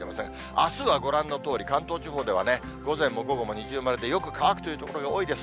あすはご覧のとおり、関東地方では午前も午後も二重丸でよく乾くという所が多いです。